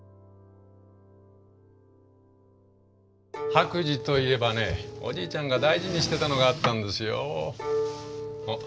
白磁といえばねおじいちゃんが大事にしてたのがあったんですよ。